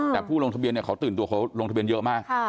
แต่ผู้ลงทะเบียนเขาตื่นตัวเขาลงทะเบียนเยอะมาก